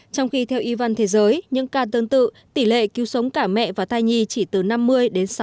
trong khi theo y văn thế giới những ca tương tự tỷ lệ cứu sống cả mẹ và thai nhi chỉ từ năm mươi đến sáu mươi